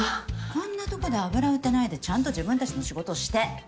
こんなとこで油売ってないでちゃんと自分たちの仕事をして。